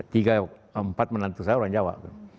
tiga empat menantu saya orang jawa